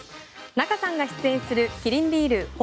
仲さんが出演するキリンビール本